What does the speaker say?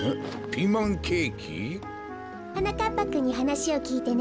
ピーマンケーキ？はなかっぱくんにはなしをきいてね